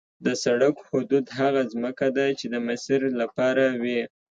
د سړک حدود هغه ځمکه ده چې د مسیر لپاره وي